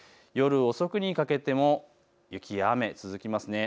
夜遅くにかけても雪や雨、続きます。